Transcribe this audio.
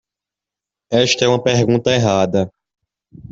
Esta é uma pergunta errada.